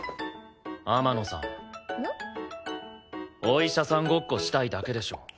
お医者さんごっこしたいだけでしょ？